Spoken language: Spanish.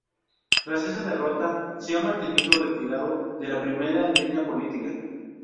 Tras esa derrota, se ha mantenido retirado de la primera línea política.